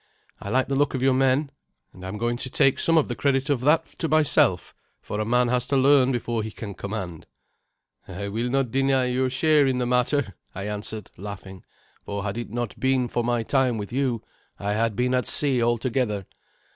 I like the look of your men, and I am going to take some of the credit of that to myself, for a man has to learn before he can command." "I will not deny your share in the matter," I answered, laughing, "for had it not been for my time with you I had been at sea altogether.